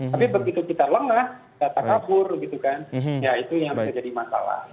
tapi begitu kita lengah kita takabur itu yang bisa jadi masalah